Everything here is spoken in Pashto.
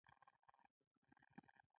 د درملو نه سم استعمال بدن ته جدي زیان رسوي.